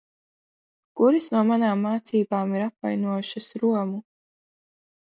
Kuras no manām mācībām ir apvainojušas Romu?